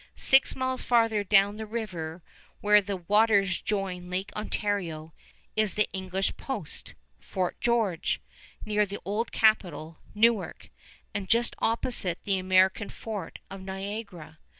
Six miles farther down the river, where the waters join Lake Ontario, is the English post, Fort George, near the old capital, Newark, and just opposite the American fort of Niagara.